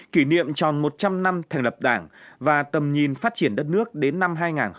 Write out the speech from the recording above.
kỷ niệm tròn một trăm linh năm thành lập đảng và tầm nhìn phát triển đất nước đến năm hai nghìn ba mươi